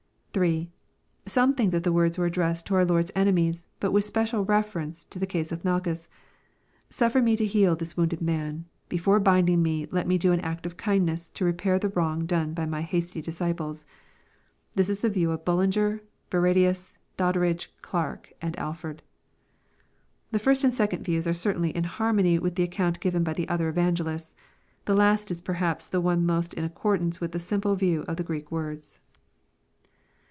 3. Some think that the words were addressed to our Lord's enemies, but with special reference to the case of Malchus. " Suf fer me to heal tiiis wounded man. Before binding me, let me do an act of kindness, to repair the wrong done by my hasty disci ple," This is the view of BuUinger, Barradius, Doddridge, Clarke, Alford. The first and second views are certainly in harmony witih the account given by the other evangehsts. The last is perhaps the one most in accordance with the simple view of the Greek words.